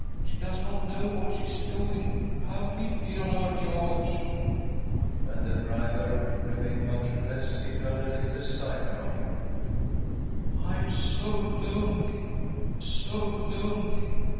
■'.■'• DAVID HOLM RETURNS TO PRISON 179 does not know what she is doing ! Have pity on her, George!" When the driver remained motionless, he turned a little aside from him. " I am so lonely, so lonely